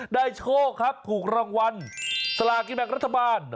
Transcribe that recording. โชคครับถูกรางวัลสลากินแบ่งรัฐบาล